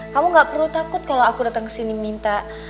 kamu gak perlu takut kalo aku datang kesini minta